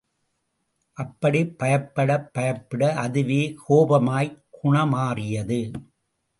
அப்படி பயப்பட பயப்பட அதுவே கோபமாய் குணமாறியது.